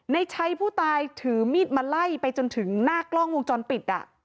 ในชัยผู้ตายถือมีดมาไล่ไปจนถึงหน้ากล้องวงจรปิด